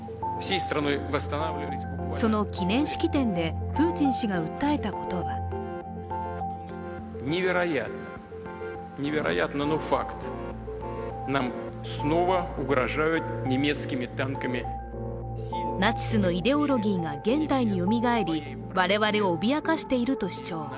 その記念式典でプーチン氏が訴えたことはナチスのイデオロギーが現代によみがえり、我々を脅かしていると主張。